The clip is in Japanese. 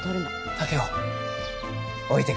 竹雄置いてくぞ。